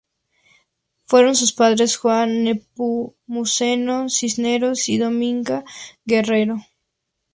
Fueron sus padres Juan Nepomuceno Cisneros y Dominga Guerrero.